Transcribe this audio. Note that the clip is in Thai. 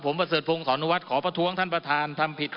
ผมเผาเศสปูงสอนวัดขอประท้วงท่านประธานถามผิดข้อ๙